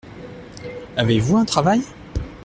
Avez-vous un travail ?